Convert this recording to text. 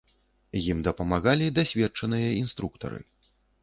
Ім дапамагалі дасведчаныя інструктары.